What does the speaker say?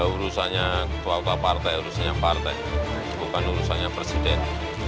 urusannya ketua ketua partai urusannya partai bukan urusannya presiden